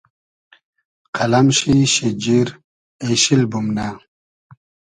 قئلئم شی شیجیر اېشیل بومنۂ